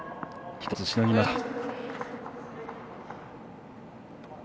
１つしのぎました。